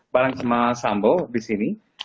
barang semua sambal di sini